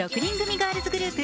ガールズグループ